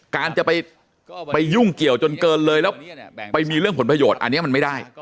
การจะไปยุ่งเกี่ยวจนเกินเลยแล้วไปมีเรื่องผลประโยชน์อันนี้มันไม่ได้